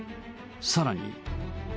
さらに。